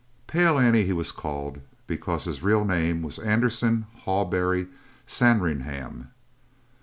"Pale Annie" he was called because his real name was Anderson Hawberry Sandringham.